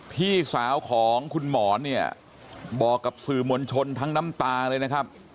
พี่สาวของคุณหมอนเนี่ยบอกกับสื่อมวลชนทั้งน้ำตาเลยนะครับ